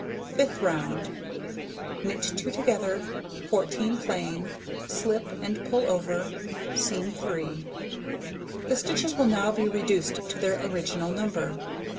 Fifth round: Knit 2 together, 14 plain, slip and pull over, seam 3. The stitches will now be reduced to their original number.